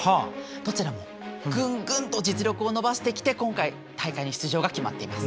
どちらもぐんぐんと実力を伸ばしてきて今回大会に出場が決まっています。